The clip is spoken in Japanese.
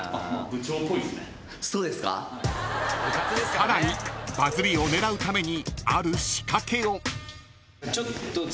［さらにバズりを狙うために］